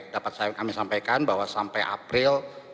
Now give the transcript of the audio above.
dapat kami sampaikan bahwa sampai april